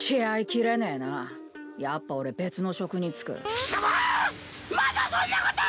貴様まだそんなことを！